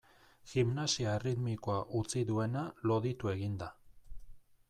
Gimnasia erritmikoa utzi duena loditu egin da.